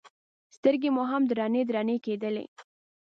سترګې مو هم درنې درنې کېدلې.